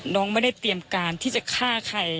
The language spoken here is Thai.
น้องไม่ได้เตรียมการที่จะฆ่าใคร